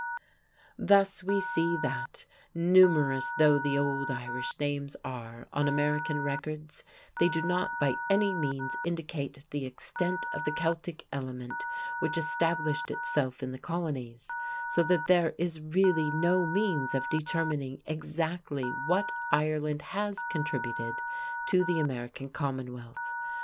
Thus we see, that, numerous though the old Irish names are on American records, they do not by any means indicate the extent of the Celtic element which established itself in the colonies, so that there is really no means of determining exactly what Ireland has contributed to the American Commonwealth.